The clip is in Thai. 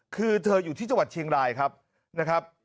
คือเธออยู่ที่จังหวัดเชียงรายครับนะครับ